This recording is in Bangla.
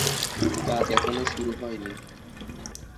কাজ এখনও শুরু হয়নি।